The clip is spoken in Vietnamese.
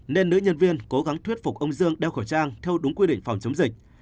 nên nữ nhân viên cố gắng thuyết phục ông dương đeo khẩu trang theo đúng quy định phòng chống dịch